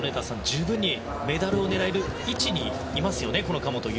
十分メダルを狙える位置にいますよね